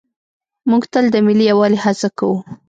موږ تل د ملي یووالي هڅه کوو.